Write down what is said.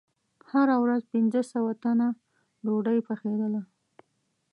هره ورځ پنځه سوه تنه ډوډۍ پخېدله.